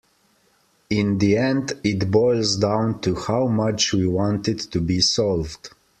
In the end it boils down to how much we want it to be solved.